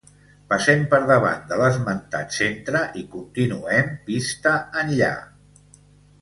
Passem per davant de l'esmentat centre i continuem pista enllà.